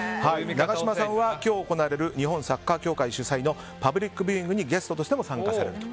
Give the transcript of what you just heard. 永島さんは今日行われる日本サッカー協会主催のパブリックビューイングにゲストとしても参加されると。